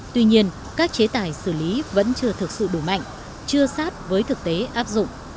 tuy nhiên các chế tài xử lý vẫn chưa thực sự đủ mạnh chưa sát với thực tế áp dụng